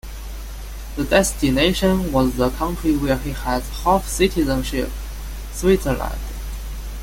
The destination was the country where he has half-citizenship, Switzerland.